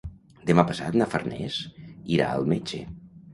Demà passat na Farners irà al metge.